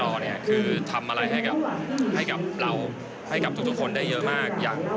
คือทำอะไรให้กับเราให้กับทุกคนได้เยอะมาก